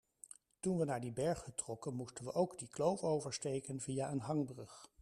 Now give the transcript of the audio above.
Toen we naar die berghut trokken moesten we ook die kloof oversteken via een hangbrug.